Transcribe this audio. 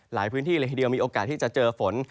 หลายพื้นที่เลยทีเดียวมีโอกาสที่จะเจอฝน